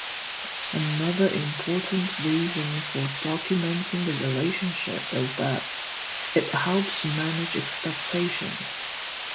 Another important reason for documenting the relationship is that it helps manage expectations.